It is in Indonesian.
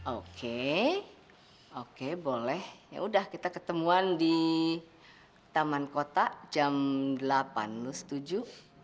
oke oke boleh yaudah kita ketemuan di taman kota jam delapan lo setuju